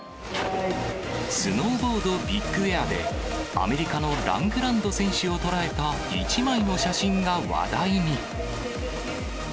スノーボードビッグエアで、アメリカのラングランド選手を捉えた１枚の写真が話題に。